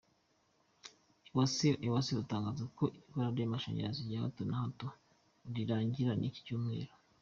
Ewasa iratangaza ko ibura ry’amashanyarazi rya hato na hato rirangirana n’icyi cyumweru